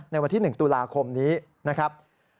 ในวันที่๑ตุลาคมนี้นะครับ